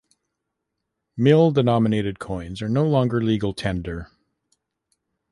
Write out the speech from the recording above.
Mil-denominated coins are no longer legal tender.